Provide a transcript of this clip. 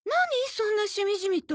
そんなしみじみと。